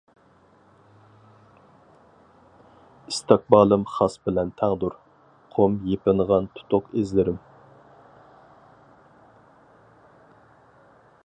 ئىستىقبالىم خەس بىلەن تەڭدۇر، قۇم يېپىنغان تۇتۇق ئىزلىرىم.